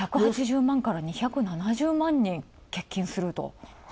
１８０万から２７０万人、欠勤すると。